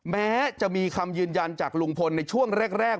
แม้จะมีคำยืนยันจากลุงพลในช่วงแรก